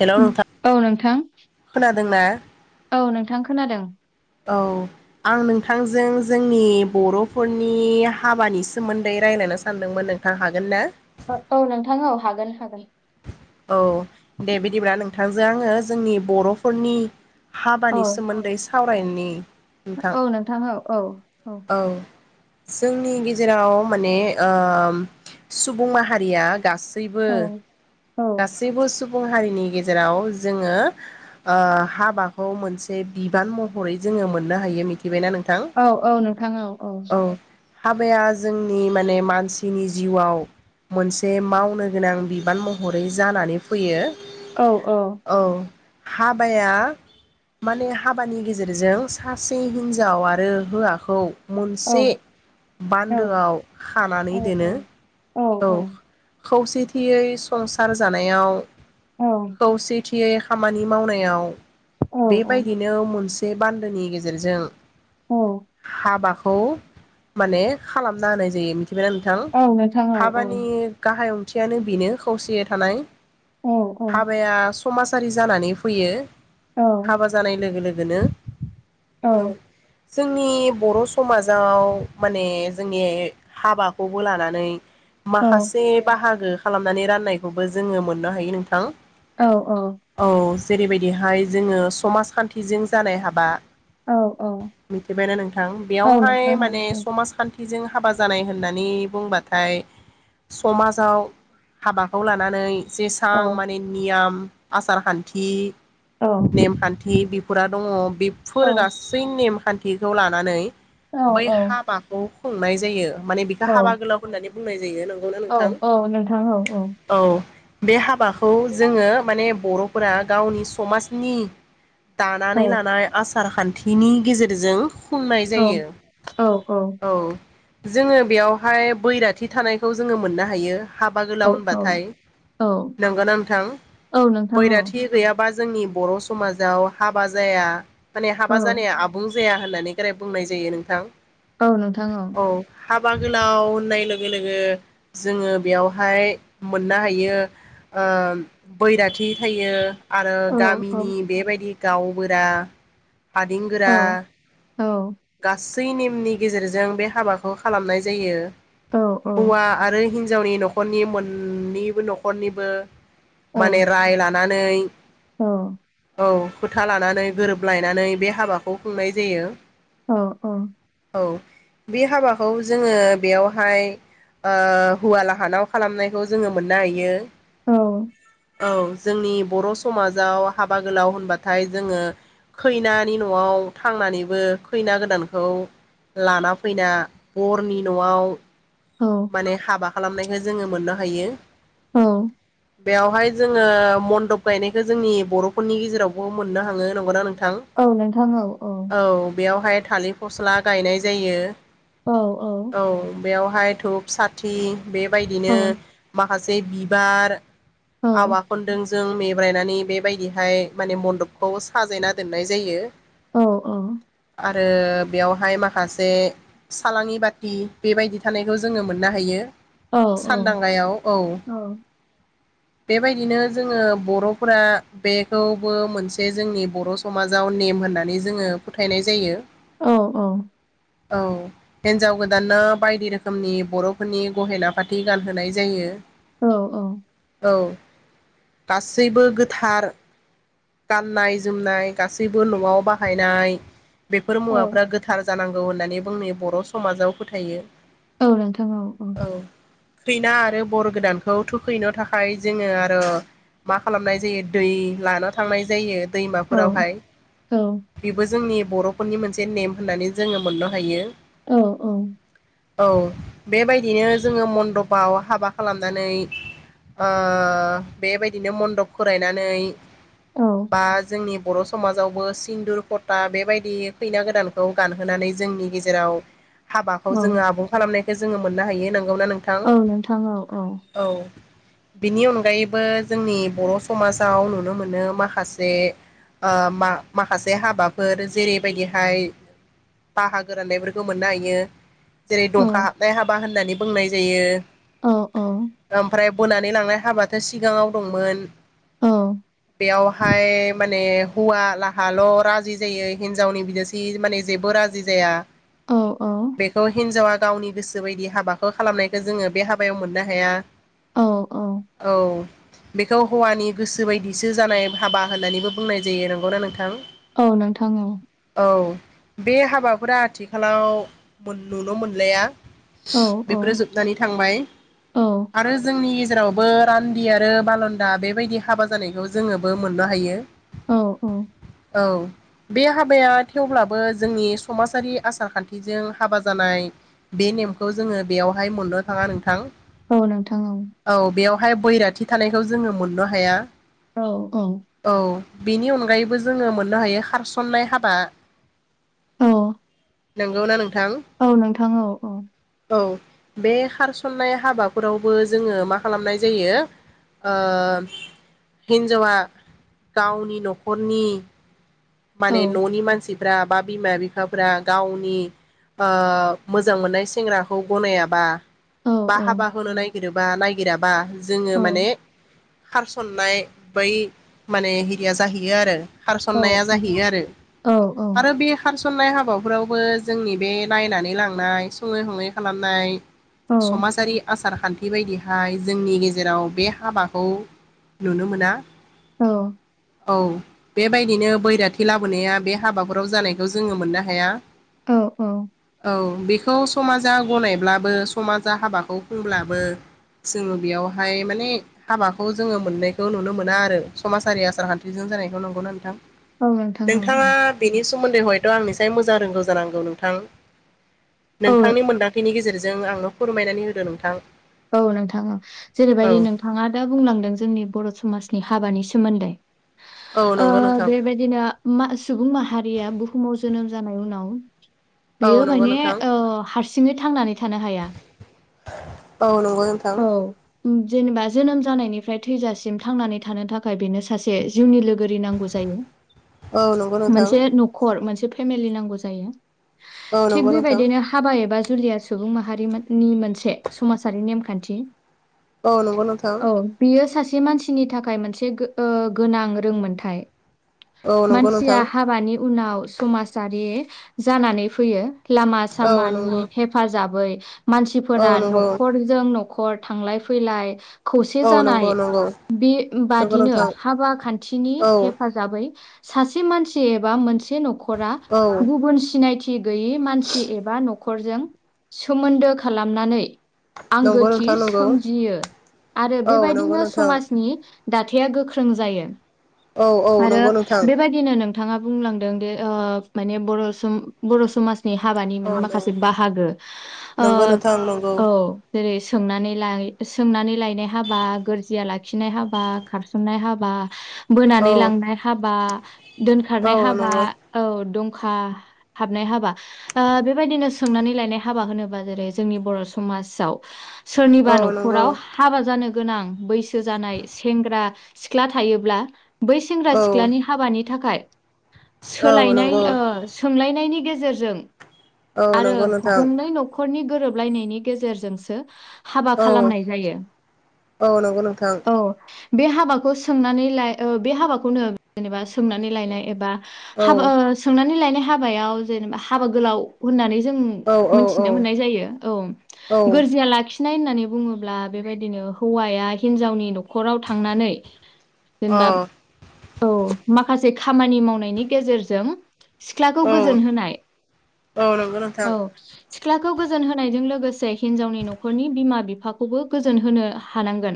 हेल' नोंथां ओं औ नोंथां। खोनादोंना? औ नोंथां खोनादों। औ आं नोंथांजों जोंनि बर'फोरनि हाबानि सोमोन्दै राय लायनो सानदोंमोन नोंथां, हागोन ना? ओ औ नोंथां औ हागोन हागोन। औ दे बिदिब्ला नोंथांजों आङो जोंनि बर'फोरनि औ हाबानि सोमोन्दै सावरायनि। औ नोंथां औ औ औ। जोंनि गेजेराव माने ओ सुबुं माहारिया गा सैबो औ औ गासैबो सुबुं हारिनि गेजेराव जोङो ओ हाबाखौ मोनसे बिबान महरै जोङो मोननो हायो मिथिबायना नों औ औ नोंथाङ औ औ हाबाया जोंनि माने मानसिनि जिउआव मोनसे मावनो गोनां बिबान महरै जानानै फैयो औ औ हाबाया माने हाबानि गेजेरजों सासे हिन्जाव आरो हौवाखौ औ मोनसे बान्दोआव औ खानानै दोनो औ औ खौसेथियै संसार जानायाव खौसेथियै खामानि मावनायाव बेबायदिनो मोनसे बान्दोनि गेजेरजों औ हाबाखौ माने खालामना होनाय जायो मिथिबायना नोंथां औ नोंथां औ औ हाबानि गाहाय ओंथियानो बेनो खौसेयै थानाय औ हाबाया समाजारि जानानै फैयो औ औ हाबा जानाय लोगो लोगोनो औ जोंनि बर' समाजाव माने जोंनि हाबाखौबो लानानै औ औ माखासे बाहागो खालामनानै राननायखौबो जोङो मोननो हायो नोंथां औ औ जेरैबायदिहाय जोङो समाजखान्थिजों जानाय हाबा औ औ मिथिबायना नोंथां बेयावहाय माने नोंथां औ समाजखान्थिजों हाबा जानाय होननानै बुंबा नाथाय समाजाव हाबाखौ लानानै जेसां औ माने नियाम आसार खान्थि नेमखान्थि बिफोरा दङ बेफोर गासै नेमखान्थिखौ लानानै बै हाबाखौ खुंनाय जायो माने बेखौ हाबा गोलाव होननानै बुंनाय यो नंगौना नोंथां औ बे हाबाखौ जोङो माने बर'फोरा गावनि समाजनि दानानै लानाय आसार खान्थिनि गेजेरजों खुंनाय औ जायो औ जोङो बेयावहाय बैराथि थानायखौ जोङो मोननो हायो हाबा औ गोलाव औ होनबाथाय औ नंगौ ना नोंथां औ नोंथां औ बैराथि गैयाबा जोंनि बर' समाजाव हाबा जाया माने हाबा औ जानाया आबुं जाया होननानै गोराय बुंनाय जायो नोंथां औ नोंथां औ हाबा गोलाव होननाय लोगो लोगो जोङो बेयावहाय मोननो हायो ओ बैराथि थायो आरो औ औ गामिनि बेबायदि गावबोरा औ हादेंगोरा औ बै नेमनि गेजेरजों बे हाबाखौ खालामनाय जायो औ हौवा आरो हिन हिनजावनि न'खरनि मोननैबो न'खरनिबो माने राय लानानै औ औ खोथा लानानै गोरोबलायनानै बे हाबाखौ खुंनाय जायो अ औ औ बे हाबाखौ जोङो बेयावहाय ओ हुवा लाहानाव खालामनायखौ जोङो मोननो हायो औ औ जोंनि बर' समाजाव हाबा गोलाव होनबाथाय जोङो खैनानि न'आव थांनानैबो खैना गोदानखौ लाना फैना बरनि न'आव माने हाबा खालामनायखौ जोङो मोननो हायो औ बेवहाय जोङो मन्दप गायनायखौ जोंनि बर'फोरनि गेजेरावबो मोननो हाङो नंगौ ना नोंथां औ बेयावहाय थालिर फस्ला गायनाय जायो औ औ बेवहाय धुब साथि बेबायदिनो माखासे बिबार आवा खनदों जों बे ब्रायनानै बेबायदिहाय माने मन्दपखौ साजायना दोननाय जायो औ औ आरो बेयावहाय माखासे सालाङि बाथि बेबायदि थानाय जों मोननो हायो सानदांगायाव औ बेबायदिनो जोङो बर'फोरा बेखौबो मोनसे जोंनि बर' समाजाव नेम होननानै जोङो फोथायनाय जायो औ औ औ हिनजाव गोदान ना बायदि रोखो रोखोमनि बर'फोरनि गहेना फाथि गानहोनाय जायो औ औ औ गासैबो गोथार गाननाय जोमनाय गासैबो न'आव बाहायनाय बेफोर मुवाफ्रा गोथार जा जानांगौ होननानै बुंनो बर' समाजाव फोथायो औ नोंथां औ खैना आरो बर गोदानखौ थुखैनो थाखाय जोङो आरो मा खालामनाय जायो दै लाना थांनाय जायो दैमाफोरावहाय बेबो जोंनि बर'फोरनि मोनसे नेम होननानै जोङो मोननो हायो। औ-औ! औ बेबायदिनो जोङो मन्दपआव हाबा खालामनानै ओ--बेबायदिनो मन्दप फरायनानै बा जोंनि बर' समाजावबो सिन्दुर खथा बेबायदि खैना गोदानखौ गानहोनानै जोंनि गेजेराव हाबाखौ जोङो आबुं खालामनायख जोङो मोननो हायो नोंगौना नोंथां? औ! बेनि अनगायैबो जोंनि बर' समाजाव नुनो मोनो मा माखासे ओ माखासे हाबाफोर जेरैबायदिहाय बाहागो राननायफोरखौ मोननो हायो जेरै दंखा हाबनाय हाबा होननानै बुंनाय जायो। औ-औ! ओमफ्राय बोनानै लांनाय हाबाथ' सिगाङाव दंमोन बेयाव। हाय माने हौवा लाहाल' राजि जायो हिनजावनि बिदासि माने जेबो राजि जाया औ औ औ बेखौ हिनजावा गावनि गोसो बायदि हाबाखौ खालामनायखौ जोङो बे हाबायाव मोननो हाया। औ-औ! औ बेखौ हौवानि गोसो बायदिसो जानाय हाबा होननानैबो बुंनाय जायो। नंगौनाा नोंथां? औ नोंथां औ औ बे हाबाफोरा आथिखालाव नुनो मोनलाया। औ औ बेफोरो जोबनानै थांबाय। औ आरो जोंनि गेजेराव बो रान्दि आरो बालदा बेबायदि हाबा जानायखौ जोङोबो मोननो हायो। औ-औ! औ! बे हाबाया थेवब्लाबो जोंनि समाजारि आसार खान्थिजों हाबा जानाय। बे नेमखौ जोङो बेयावहाय मोननो थाङा नोंथां। औ नोंथां औ! बेहाय बैराथि थानायखौ जोङो मोननो हाया। औ औ औ बेनि अनगायैबो जोङो मोननो हायो खारसननाय हाबा। औ नोंगौ ना नों औ नोंथां औ औ। औ बे खारसन्नाय हाबाफोरावबो जोङो मा खालामनाय जायो ओ हिनजावा गावनि न'खरनि औ माने न'नि मानसि फोर बा बिमा बिफाफ्रा गावनि ओ मोजां मोननाय सेंग्राखौ गनायाबा औ बा औ हाबा होनो नागिरोबा नायागिराबा जोङो माने खारसननाय बै माने हिरिया जाहैयो आरो। खारसन्नाया जाहैयो आरो। औ आरो बे गायसन्नाय खारसननाय हाबाफोरावबो जोंनि बे नायनानै लांनाय सङै सङै खालामनाय औ समाजारि आसार आसारखान्थि बायदिहाय जोंनि गेजेराव बे हाबाखौ नुनो मोना। नोंथां औ औ बेबायदिनो बैराथि लाबोनाया बे हाबाफोराव जानायखौ जोङो मोननो हाया। औ औ। औ बेखौ समाजा गनायब्लाबो समाजा हाबाखौ बुंब्लाबो जोङो बेयावहाय माने हाबाखौ जोङो मोननायखौ नुनो मोना आरो। समाजारि आसारखान्थिजों जानायखौ नंगौना नोंथां? औ नोंथां औ। सोमोन्दैयथ' आंनिसाय मोजां रोंगौ जानांगौ नोंथां? औ नोंथांनि मोनदांथिनि गेजेरजों जों आंनो फोरमायनानै होदो नोंथां। औ नोंथां औ औ जेरैबायदि नोंथांङा दा बुंलांदों जोंनि बर' समाज हाबानि सोमोन्दै औ ओ नंगौ नोंथां बेबायदिनो सुबुं माहारिया बु बुहुमाव जोनोम जानाय उनाव औ बेयो नंगौ माने नोंथां ओ हारसिङै थांनानै थानो हाया। औ नंगौ नोंथां। उं जेनेबा जोनोम जानायनिफ्राय थैजासिम थांनानै थानो थाखाय बेनो सासे जिउनि लोगोरि नांगौ जा औ नंगौ नोंथां मोनसे न'खर मोनस से फेमेलि नागौ जायो औ थिग नंगौ नोंथां बेबायदिनो हाबा एबा जुलिया सुबुं माहारिनि मोनसे समाजारि नेमखान्थि। औ नंगौ नोंथां। मोनसे मानसिनि थाखाय मोनसे ओ‌ गोनां रोंमोनथाय। औ नंगौ नोंथां मानसिया हाबानि उनाव समाजारि जानानै फैयो। लामा औ सामानि नंगौ हेफाजाबै औ मानसिफोरा न नंगौ जों न'खर थांलाय फैलाय। खौसे औ जानाय नंगौ नंगौ बे नंगौ बादिनो नोंथां हाबा खान्थिनि औ हेफाजाबै सासे मानसि एबा मोनसे नख'रा औ गुबुन सिनायथि गैयि मानसि एबा न न'खर जों सोमोन्दो खालामनानै नंगौ आंगोथि नोंथां नंगौ सोमजियो आरो औ नंगौ बेबायदिनो नोंथां समाजनि दाथाया गोख्रों जायो औ औ आरो नंगौ नोंथां बेबायदिनो नों नोंथांङा बुंलांदों दि ओ माने बर' बर' समास नि हाबानि औ माखासे नंगौ बाहागो ओ नंगौ नोंथां नंगौ औ। जेरै सों सोंनानै लायनाय हाबा गोरजिया लाखिनाय हाबा खारसननाय हाबा बोनानै औ लांनाय हाबा दोनखारनाय औ हाबा नंगौ औ दं। खा हाबनाय हाबा ओ बेबायदिनो सोंनानै लायनाय हाबा होनोबा जेरै जोंनि बर' समाज समाजाव। सोरनिबा औ नंगौ नखराव हाबा जानो। गोनां बैसो जानाय सेंग्रा सिख्ला थायोब्ला। बै सेंग्रा औ सिख्लानि हाबानि थाखाय औ सोलायनाय नंगौ ओ सोंलायनायनि गेजेरजों औ आरो नंगौ नोंथां गंनै नखरनि गोरोबलायनायनि गेजेरजोंसो हाबा औ खालामनाय जायो औ नंगौ नोंथां औ। बे हाबाखौ सोंनानै लाय ओ बे हाबाखौनो जेनेबा। सोंनानै लायनाय एबा हा औ सोंनानै लायनाय हाबायाव जेनेबा हाबा गोलाव होननानै। उं जों औ औ मोन्थिना मोननाय जायो औ औ गोरजिया लाखि नाय होननानै बुंङोब्ला बेबायदिनो हौवाया हिनजावनि नख नखराव थांनानै अ जेनेबा औ माखासे। खामानि मावनायनि गेजेरजों सिख्लाखौ गोजोन औ होनाय औ नंगौ नोंथां औ। सिख्लाखौ गोजोन होनायजों लोगोसे हिन्जावनि नखरनि बिमा बिफाखौबो गोजोन होनो हानांगोन।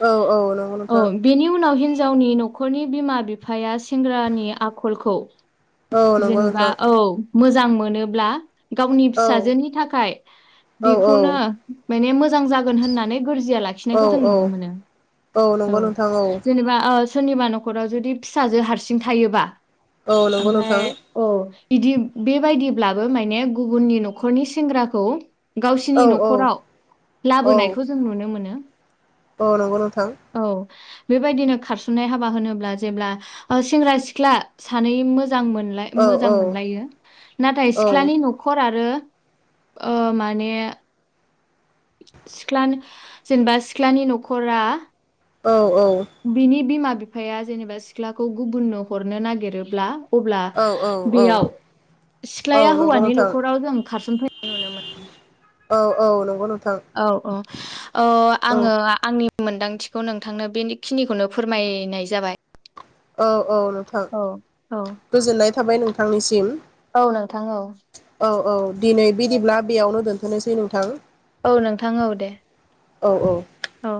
औ औ नंगौ औ नोंथां बेनि उनाव हिन हिन्जावनि नखरनि बिमा बिफाया सेंग्रानि आखलखौ औ नंगौ जेनेबा नोंथां औ। मोजां मोनोब्ला गावनि औ फिसाजोनि थाखाय औ औ बेखौनो माने मोजां जागोन होननानै गोरजिया औ लाखिनायखौ जों नुनो मोनो औ नंगौ नोंथां औ जेनेबा। सोरनिबा नखराव जुदि फिसाजो हारसिं थायोबा औ नंगौ ओमफाय नोंथां औ। बिदि बेबायदिब्लाबो माने गुबुननि नखरनि सेंग्राखौ। गावसिनि औ औ नखराव औ लाबोनायखौ जों नुनो मोनो। औ नंगौ नोंथां। औ बेबायदिनो खारसननाय हाबा होनोब्ला जेब्ला सेंग्रा सिख्ला सानै मोजां। मोजां मोन औ औ मोजां मोनलायो नाथाय औ सिख्लानि न'खर आरो। ओ माने। सिख्लानि जेनेबा सिख्लानि न'खरा औ बिनि बिमा बिफाया जेनेबा सिख्लाखौ गुबुननो हरनो नागिरोब्ला अब्ला औ औ औ बेयाव सिख्लाया औ नंगौ हौवानि नोंथां न'खराव जों खारसनफैनाय नुनो मोनो औ औ नंगौ नों औ औ आङो आंनि मोन्दांथिखौ नोंथांनो बेखिनिखौनो फोरमायनाय जाबाय औ औ नोंथां औ औ गोजोननाय थाबाय नोंथांनिसिम। औ नोंथां औ। औ औ दिनै बिदिब्ला बेयावनो दोनथ'नोसै नोंथां। औ नोंथां औ दे औ औ औ।